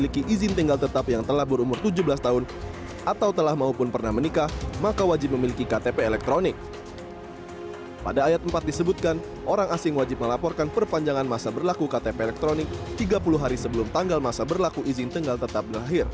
ketika kartu izin terbatas dikirimkan kartu izin terbatas dikirimkan